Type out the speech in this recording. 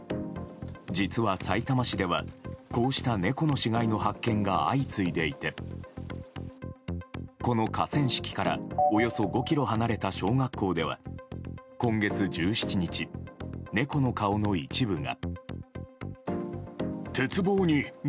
実は、さいたま市ではこうした猫の死骸の発見が相次いでいてこの河川敷からおよそ５ｋｍ離れた小学校では今月１７日、猫の顔の一部が。